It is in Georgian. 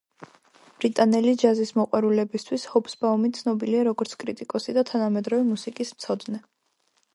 ბრიტანელი ჯაზის მოყვარულებისთვის ჰობსბაუმი ცნობილია, როგორც კრიტიკოსი და თანამედროვე მუსიკის მცოდნე.